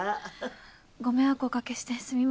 ご迷惑おかけしてすみません。